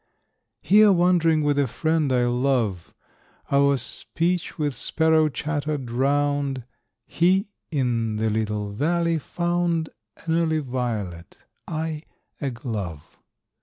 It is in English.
Here wandering with a friend I love, Our speech with sparrow chatter drowned, He in the little valley found An early violet, I a glove.